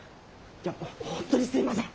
いやもう本当にすみません！